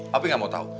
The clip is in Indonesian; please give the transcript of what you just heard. papi gak mau tahu